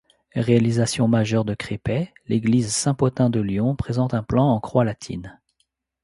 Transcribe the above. Réalisation majeure de Crépet, l’église Saint-Pothin de Lyon présente un plan en croix latine.